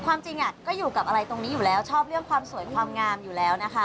ความจริงก็อยู่กับอะไรตรงนี้อยู่แล้วชอบเรื่องความสวยความงามอยู่แล้วนะคะ